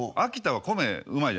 はい。